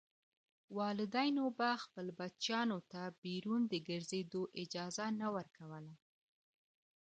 والدینو به خپلو بچیانو ته بیرون د ګرځېدو اجازه نه ورکوله.